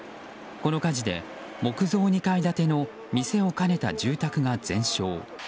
この火事で、木造２階建ての店を兼ねた住宅が全焼。